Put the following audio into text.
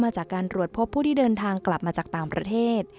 จากการรวดพบผู้ที่เดินทางกลับมาจากต่างประเทศ